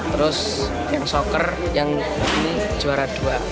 terus yang soccer yang ini juara dua